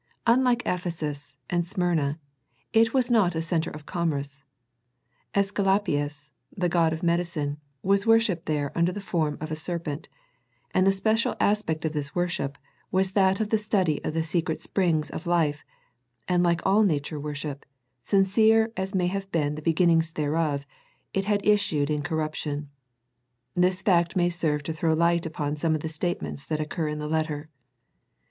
Unlike Ephesus and Smyrna, it was not a centre of commerce, ^sculapius, the god of medicine, was worshipped there under the form of a serpent, and the special aspect of this worship was that of the study of the secret springs of life, and like all Nature worship, sincere as may have been the begin nings thereof, it had issued in corruption. This fact may serve to throw light upon some of the statements that occur in the letter.